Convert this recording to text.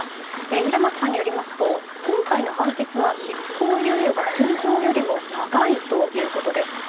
平松さんによりますと今回の判決は執行猶予が通常より長いということです。